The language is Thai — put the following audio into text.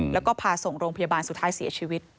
แล้วก็พาส่งโรงพยาบาลสุดท้ายเสียชีวิต